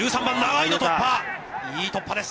いい突破です。